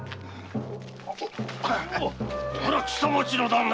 これは北町の旦那。